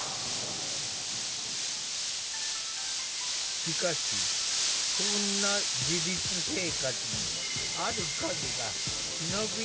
しかしそんな自立生活にある影が忍び寄っている。